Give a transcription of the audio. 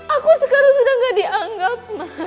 aku sekarang sudah gak dianggap